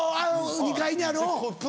２階にあるうん。